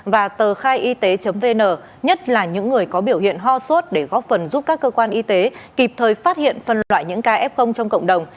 và tờ khai y tế vn nhất là những người có biểu hiện ho suốt để góp phần giúp các cơ quan y tế kịp thời phát hiện phần loại những kf trong cộng đồng